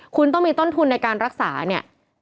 คุณต้องมีต้นทุนในการรักษาเนี่ย